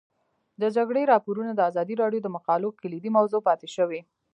د جګړې راپورونه د ازادي راډیو د مقالو کلیدي موضوع پاتې شوی.